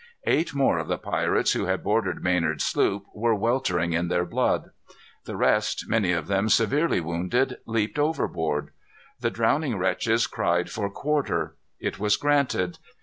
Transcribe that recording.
Eight more of the pirates who had boarded Maynard's sloop were weltering in their blood. The rest, many of them severely wounded, leaped overboard. The drowning wretches cried for quarter. It was granted.